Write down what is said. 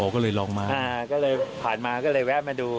อ๋อก็เลยลองมานะครับผ่านมาก็เลยแวะมาดู